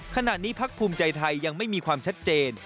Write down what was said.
ขณะนี้พักภูมิใจไทยยังไม่มีความชัดเจน